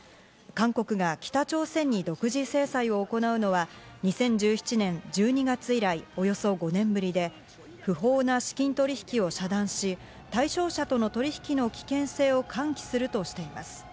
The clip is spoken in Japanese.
韓国が北朝鮮に独自制裁を行うのは２０１７年１２月以来、およそ５年ぶりで、不法な資金取引を遮断し、対象者との取引の危険性を喚起するとしています。